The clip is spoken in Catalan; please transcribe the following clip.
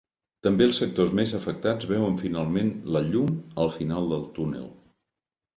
També els sectors més afectats veuen finalment la llum al final del túnel.